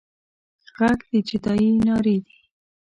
غږ د جدايي نارې دي